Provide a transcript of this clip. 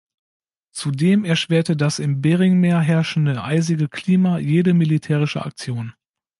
Zudem erschwerte das im Beringmeer herrschende eisige Klima jede militärische Aktion.